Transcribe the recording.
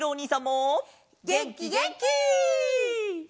げんきげんき！